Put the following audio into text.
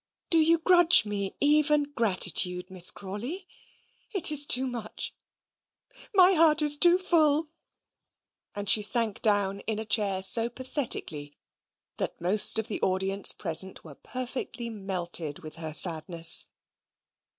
Do you grudge me even gratitude, Miss Crawley? It is too much my heart is too full"; and she sank down in a chair so pathetically, that most of the audience present were perfectly melted with her sadness.